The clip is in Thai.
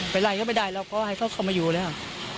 ไปไล่เข้าไปได้เราก็ให้เข้าเข้ามาอยู่แล้ว